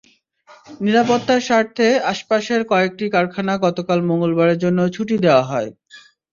নিরাপত্তার স্বার্থে আশপাশের কয়েকটি কারখানা গতকাল মঙ্গলবারের জন্য ছুটি দেওয়া হয়।